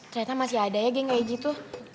ternyata masih ada ya geng kayak gitu